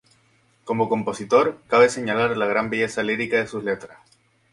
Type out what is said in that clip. Como compositor, cabe señalar la gran belleza lírica de sus letras.